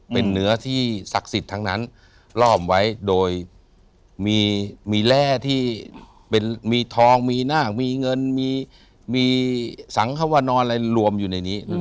เป็นเนื้อที่ศักดิ์สิทธิ์ทั้งนั้นล่อมไว้โดยมีแร่ที่มีทองมีนาคมีเงินมีสังฮวนอะไรรวมอยู่ในนี้